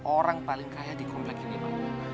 orang paling kaya di komplek ini pak